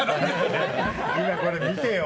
これ見てよ。